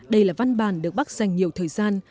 đây là văn bản được bắc dành nhiều thời gian